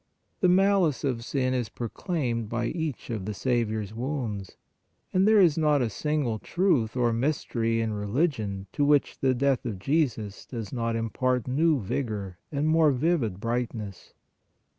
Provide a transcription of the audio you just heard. The malice of sin is proclaimed by each of the Saviour s wounds, i8o PRAYER and there is not a single truth or mystery in re ligion to which the death of Jesus does not impart new vigor and more vivid brightness.